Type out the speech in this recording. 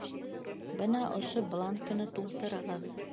Бына ошо бланкыны тултырығыҙ.